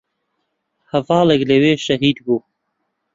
هەڤاڵێک لەوێ شەهید بوو